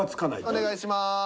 お願いします。